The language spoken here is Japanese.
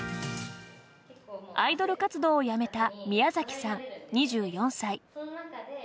アイドル活動を辞めた宮崎さん、２４歳。